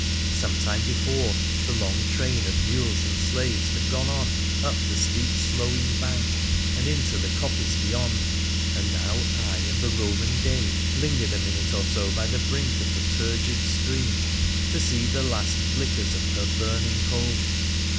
Some time before the long train of mules and slaves had gone on up the steep slowing bank, and into the coppice beyond, and now I and the Eoman dame lingered a minute or so by the brink of the turgid stream to see the last flickers of her burning home.